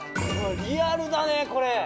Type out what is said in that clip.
リアルだねこれ。